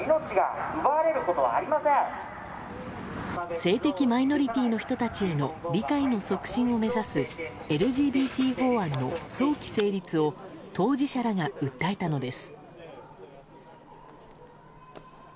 性的マイノリティーの人たちへの理解の促進を目指すＬＧＢＴ法案の早期成立を当事者らが訴えたのです。